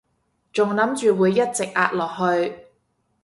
仲諗住會一直壓落去